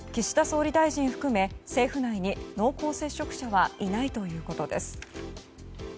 総理大臣含め政府内に濃厚接触者はいないということです。